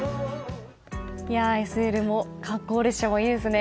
ＳＬも観光列車もいいですね。